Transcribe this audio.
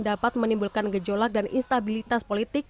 dapat menimbulkan gejolak dan instabilitas politik